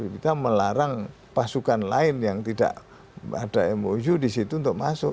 kita melarang pasukan lain yang tidak ada mou di situ untuk masuk